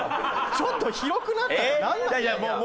ちょっと広くなったらなんなん？